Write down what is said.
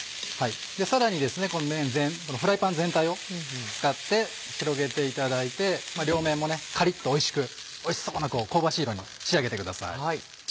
さらにこのめんフライパン全体を使って広げていただいて両面カリっとおいしくおいしそうな香ばしい色に仕上げてください。